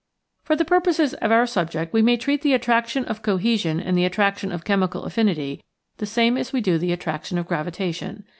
For the purposes of our subject we may treat the attraction of cohesion and the attraction of chemical affinity the same as we do the attraction of gravitation.